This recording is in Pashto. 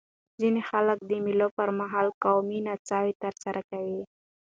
ځيني خلک د مېلو پر مهال قومي نڅاوي ترسره کوي.